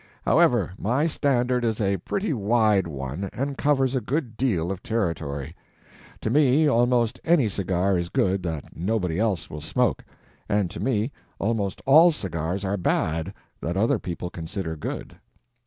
However, my standard is a pretty wide one and covers a good deal of territory. To me, almost any cigar is good that nobody else will smoke, and to me almost all cigars are bad that other people consider good.